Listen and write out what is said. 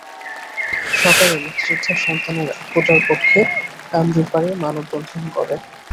সকালে মুক্তিযোদ্ধার সন্তানেরা কোটার পক্ষে কান্দিরপাড়ে মানববন্ধন করে।